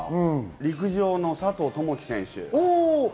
陸上の佐藤友祈選手。